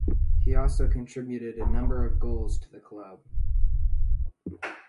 He also contributed a number of goals to the club.